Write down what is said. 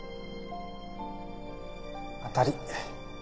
当たり。